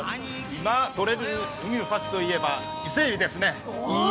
今とれる海の幸といえば伊勢えびですね。